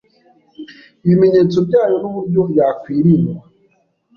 ibimenyetso byayo n’uburyo yakwirindwa.